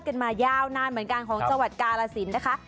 กันมายาวนานเหมือนกันของจังหวัดกาลสินนะคะ